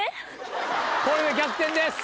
これで逆転です